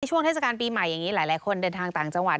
ช่วงเทศกาลปีใหม่อย่างนี้หลายคนเดินทางต่างจังหวัด